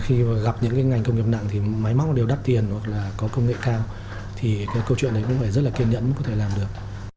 khi mà gặp những cái ngành công nghiệp nặng thì máy móc đều đắt tiền hoặc là có công nghệ cao thì cái câu chuyện đấy cũng phải rất là kiên nhẫn có thể làm được